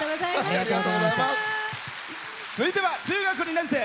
続いては、中学２年生。